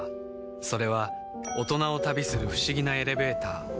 それは大人を旅する不思議なエレベーター